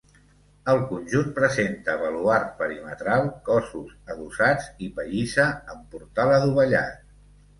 El conjunt presenta baluard perimetral, cossos adossats i pallissa amb portal adovellat.